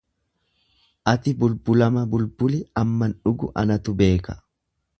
Ati bulbuluma bulbuli amman dhugu anatu beeka.